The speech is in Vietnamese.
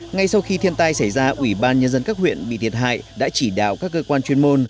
ngay sau khi thiên tai xảy ra ủy ban nhân dân các huyện bị thiệt hại đã chỉ đạo các cơ quan chuyên môn